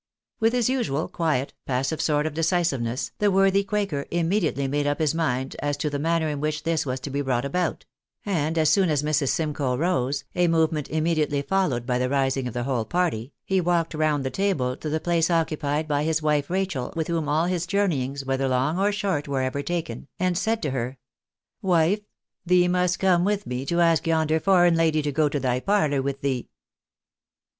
With his usual quiet, passive sort of decisiveness, the worthy quaker immediately made up his mind as to the manner in wMch this was to be brought about ; and as soon as Mrs. Simcoe rose, a movement immediately followed by the rising of the whole party, he walked round the table to the place occupied by his wife Rachel, with whom all his journeyings, whether long or short, were ever taken, and said to o 2 228 THE BAENABYS IN AMERICA. her, " Wife, thee must come with me to ask yonder foreign lady to go to thy parlour with thee."